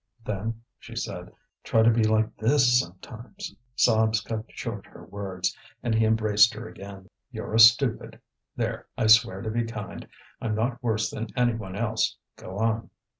"Then," she said, "try to be like this sometimes." Sobs cut short her words, and he embraced her again. "You're a stupid! There, I swear to be kind. I'm not worse than any one else, go on!"